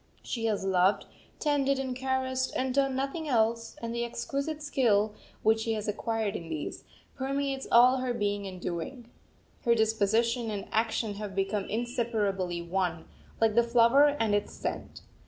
She has loved, tended, and caressed, and done nothing else; and the exquisite skill which she has acquired in these, permeates all her being and doing. Her disposition and action have become inseparably one, like the flower and its scent.